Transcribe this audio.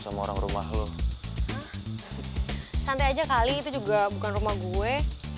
sama orang rumah loh santai aja kali itu juga bukan rumah gue